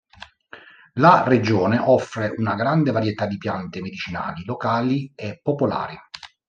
La regione offre una grande varietà di piante medicinali locali e popolari.